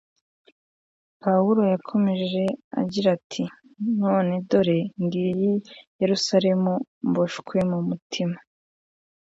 Pawulo yakomeje avuga ati: “None dore, ngiye i Yerusalemu, mboshwe mu mutima;